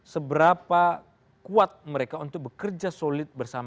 seberapa kuat mereka untuk bekerja solid untuk melindungi institusi penegak hukum